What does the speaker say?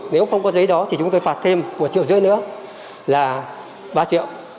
nếu không có giấy đó thì chúng tôi phạt thêm một triệu rưỡi nữa là ba triệu